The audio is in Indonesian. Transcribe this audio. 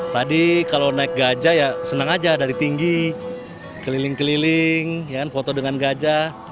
tadi kalau naik gajah ya senang aja dari tinggi keliling keliling foto dengan gajah